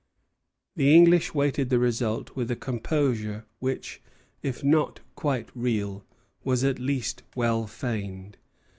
The English waited the result with a composure which, if not quite real, was at least well feigned.